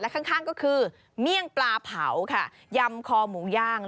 ข้างก็คือเมี่ยงปลาเผาค่ะยำคอหมูย่าง